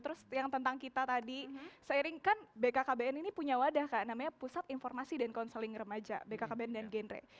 terus yang tentang kita tadi seiring kan bkkbn ini punya wadah kak namanya pusat informasi dan konseling remaja bkkbn dan genre